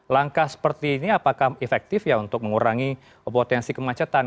langkah seperti ini apakah efektif ya untuk mengurangi potensi kemacetan